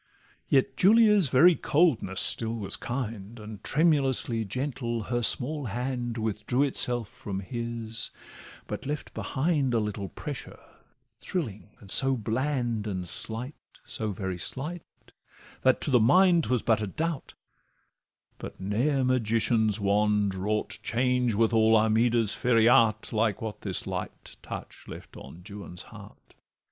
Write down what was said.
Yet Julia's very coldness still was kind, And tremulously gentle her small hand Withdrew itself from his, but left behind A little pressure, thrilling, and so bland And slight, so very slight, that to the mind 'Twas but a doubt; but ne'er magician's wand Wrought change with all Armida's fairy art Like what this light touch left on Juan's heart.